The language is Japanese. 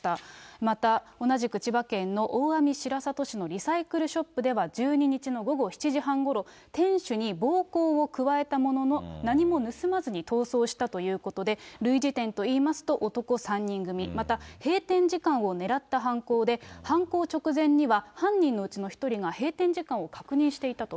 また同じく千葉県の大網白里市のリサイクルショップでは１２日の午後７時半ごろ、店主に暴行を加えたものの、何も盗まずに逃走したということで、類似点といいますと、男３人組、また閉店時間を狙った犯行で、犯行直前には犯人のうちの１人が閉店時間を確認していたと。